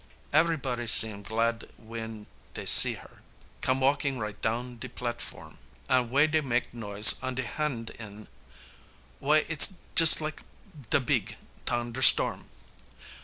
Ev'ryboddy seem glad w'en dey see her, come walkin' right down de platform, An' way dey mak' noise on de han' den, w'y! it's jus' lak de beeg tonder storm!